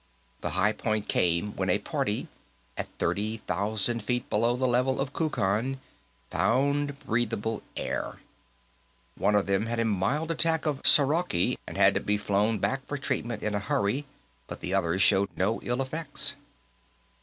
The high point came when one party, at thirty thousand feet below the level of Kukan, found breathable air. One of them had a mild attack of sorroche and had to be flown back for treatment in a hurry, but the others showed no ill effects.